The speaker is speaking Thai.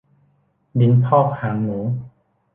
ดินพอกหางหมู